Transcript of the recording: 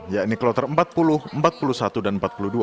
yakni kloter empat puluh empat puluh satu dan empat puluh dua